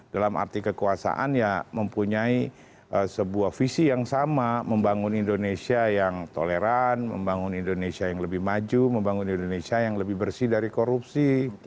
dalam arti kekuasaan ya mempunyai sebuah visi yang sama membangun indonesia yang toleran membangun indonesia yang lebih maju membangun indonesia yang lebih bersih dari korupsi